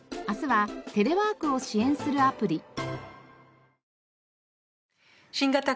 明日はテレワークを支援するアプリ。